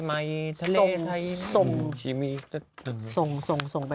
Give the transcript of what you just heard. อาทานระดายมายทะเลไทย